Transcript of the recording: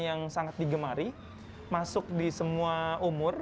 yang sangat digemari masuk di semua umur